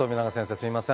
すいません。